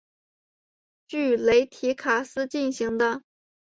据雷提卡斯进行的。